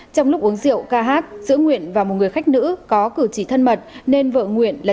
trong lúc uống rượu ca hát giữa nguyện và một người khách nữ có cử chỉ thân mật nên vợ nguyện là